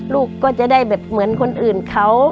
ลูกก็จะได้แบบเหมือนคนอื่นเขา